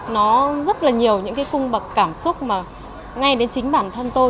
nó rất là nhiều những cái cung bậc cảm xúc mà ngay đến chính bản thân tôi